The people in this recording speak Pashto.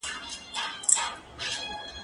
هغه څوک چي تمرين کوي قوي وي!.